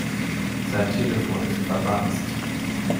Sein Telefon ist verwanzt.